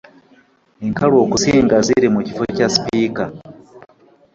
Enkalu okusinga ziri ku kifo kya Sipiika